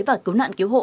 và cứu nạn cứu hộ